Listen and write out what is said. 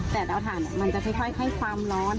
แต่เตาถ่านมันจะค่อยให้ความร้อน